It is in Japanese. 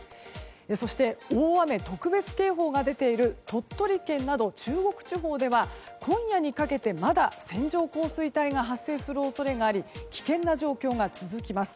そして大雨特別警報が出ている鳥取県など中国地方では今夜にかけてまだ線状降水帯が発生する恐れがあり危険な状況が続きます。